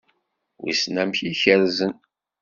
Wissen amek i kerrzen?